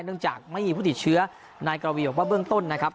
จากไม่มีผู้ติดเชื้อนายกระวีบอกว่าเบื้องต้นนะครับ